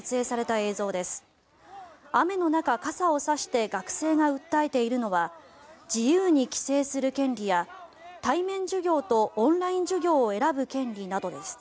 雨の中、傘を差して学生が訴えているのは自由に帰省する権利や対面授業とオンライン授業を選ぶ権利などです。